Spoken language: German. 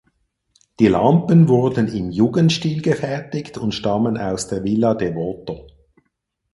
Die Lampen wurden im Jugendstil gefertigt und stammen aus der Villa Devoto.